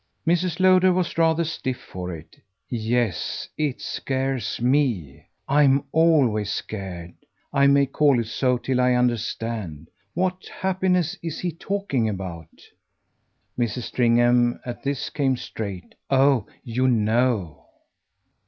Mrs. Lowder was rather stiff for it. "Yes; it scares ME. I'm always scared I may call it so till I understand. What happiness is he talking about?" Mrs. Stringham at this came straight. "Oh you know!"